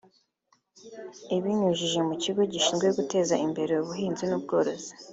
Ibinyujije mu kigo gishinzwe guteza imbere ubuhinzi n’ubworozi